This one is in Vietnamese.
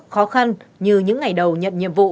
khó khăn như những ngày đầu nhận nhiệm vụ